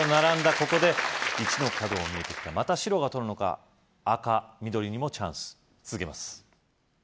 ここで１の角も見えてきたまた白が取るのか赤・緑にもチャンス続けます